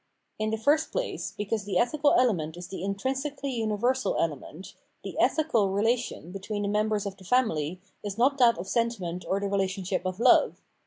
In the first place, because the ethical element is the intrinsically universal element, the ethical relation between the members of the family is not that of senti ment or the relationship of love.